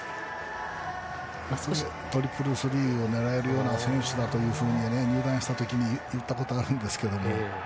トリプルスリーを狙える選手だと入団した時に言ったことあるんですけど。